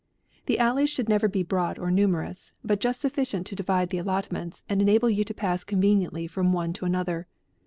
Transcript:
The alleys should never be broad or nu merous, but just sufficient to divide the al lotments, and enable you to pass conveni ently from one to another.